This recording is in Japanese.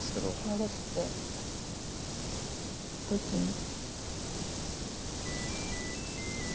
戻すってどっちに？